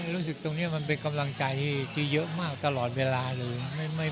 รู้สึกตรงนี้มันเป็นกำลังใจที่เยอะมากตลอดเวลาเลย